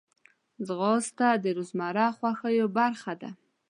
ځغاسته د روزمره خوښیو برخه ده